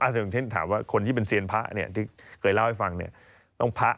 อาจจะถามว่าคนที่เป็นเซียนพระเนี่ยที่เกิดเล่าให้ฟังเนี่ยต้องพระ